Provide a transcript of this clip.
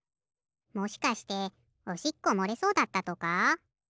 もしかしておしっこもれそうだったとか？